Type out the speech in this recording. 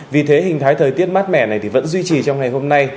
vì thế hình thái thời tiết mát mẻ này thì vẫn duy trì trong ngày hôm nay